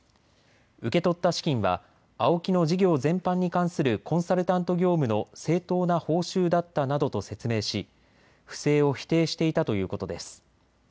受け取った資金はＡＯＫＩの事業全般に関するコンサルタント業務の正当な報酬だったなどと説明し不正を否定していたということです。